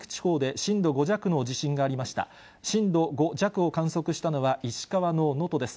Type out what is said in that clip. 震度５弱を観測したのは、石川の能登です。